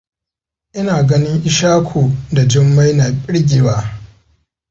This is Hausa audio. Ina ganin Ishaku da Jummai na birgewa.